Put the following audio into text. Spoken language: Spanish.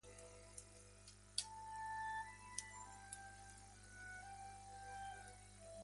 Está siempre presente la tradición celta de tomar sidra.